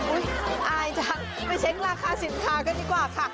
อายจังไปเช็คราคาสินค้ากันดีกว่าค่ะ